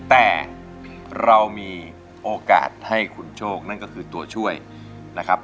แต่เรามีโอกาสให้คุณโชคนั่นก็คือตัวช่วยนะครับ